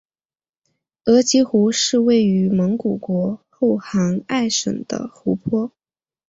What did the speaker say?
额吉湖是位于蒙古国后杭爱省的湖泊。